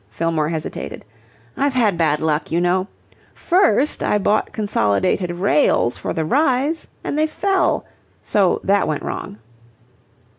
Fillmore hesitated. "I've had bad luck, you know. First I bought Consolidated Rails for the rise, and they fell. So that went wrong."